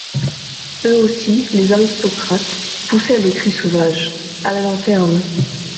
Eux aussi, les aristocrates, poussaient le cri sauvage : A la lanterne.